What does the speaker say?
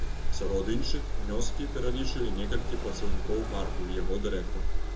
Сярод іншых, унёскі пералічылі некалькі працаўнікоў парку і яго дырэктар.